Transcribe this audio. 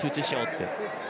って。